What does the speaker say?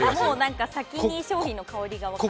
先に商品の香りが分かる。